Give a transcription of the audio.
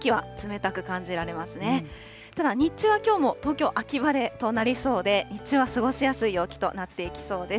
ただ、日中はきょうも東京、秋晴れとなりそうで、日中は過ごしやすい陽気となっていきそうです。